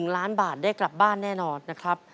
๑ล้านบาทได้กลับบ้านแน่นอนนะครับ